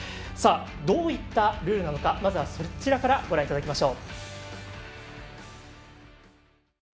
どういったルールなのかまずはそちらからご覧いただきましょう。